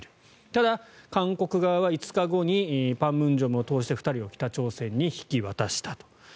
ただ、韓国側は５日後に板門店を通して２人を北朝鮮に引き渡したと。